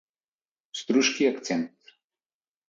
Struski akcent